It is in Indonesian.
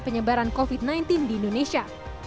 penyebaran covid sembilan belas di indonesia